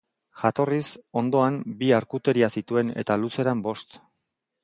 Jatorriz, hondoan bi arkuteria zituen eta luzeran bost.